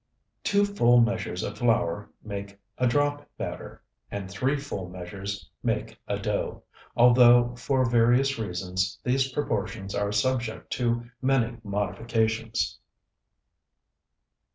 Two full measures of flour make a drop batter; and three full measures make a dough; although, for various reasons, these proportions are subject to many modifications.